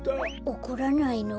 おこらないの？